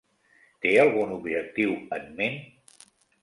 Té algun objectiu en ment?